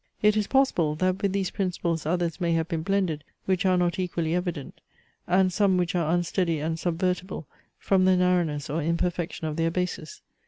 It is possible, that with these principles others may have been blended, which are not equally evident; and some which are unsteady and subvertible from the narrowness or imperfection of their basis.